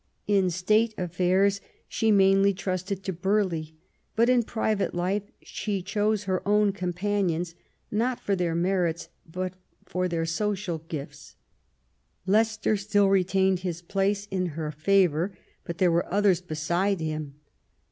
In State affairs she mainly trusted to Burghley; but in private life she chose her own companions, not for their merits but for THE EXCOMMUNICATION OF ELIZABETH. 151 their social gifts. Leicester still retained his place in her favour, but there were others beside. him.